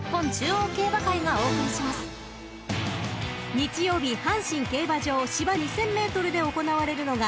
［日曜日阪神競馬場芝２，０００ｍで行われるのが］